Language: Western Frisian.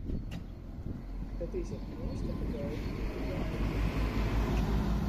It is it moaiste kado dat hja him jaan kin.